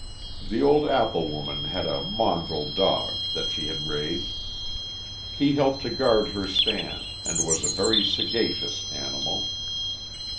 The old apple woman had a mongrel dog that she had raised. He helped to guard her stand, and was a very sagacious animal.